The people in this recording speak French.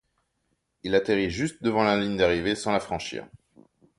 Il atterrit juste devant la ligne d'arrivée sans la franchir.